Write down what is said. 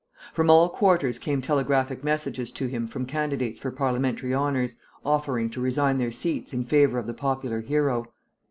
From all quarters came telegraphic messages to him from candidates for parliamentary honors, offering to resign their seats in favor of the popular hero.